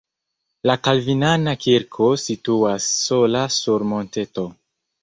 La kalvinana kirko situas sola sur monteto.